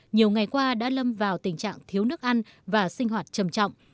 nhiều ngày qua đã lâm vào tình trạng thiếu nước ăn và sinh hoạt trầm trọng